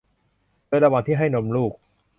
โดยระหว่างที่ให้นมลูก